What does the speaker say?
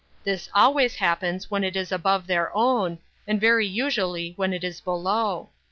This always happens when it is above their own, and very usually when it is below.